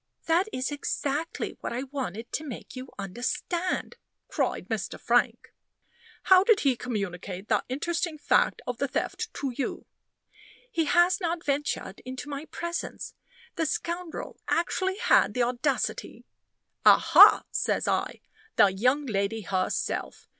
"That is exactly what I wanted to make you understand," cried Mr. Frank. "How did he communicate the interesting fact of the theft to you?" "He has not ventured into my presence. The scoundrel actually had the audacity " "Aha!" says I. "The young lady herself!